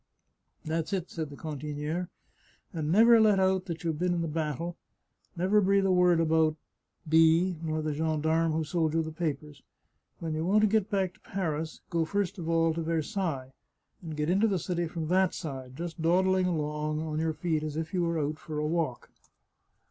" That's it," said the cantiniere, " and never let out that you've been in the battle, never breathe a word about B nor the gendarme who sold you the papers. When you want to get back to Paris, go first of all to Versailles, and get into the city from that side, just dawdling along on your feet as if you were out for a walk.